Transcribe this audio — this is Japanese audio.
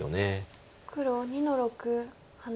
黒２の六ハネ。